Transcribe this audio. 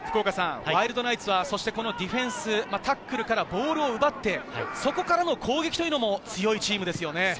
ワイルドナイツはディフェンス、タックルからボールを奪って、そこからの攻撃も強いチームですよね。